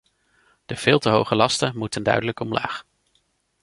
De veel te hoge lasten moeten duidelijk omlaag.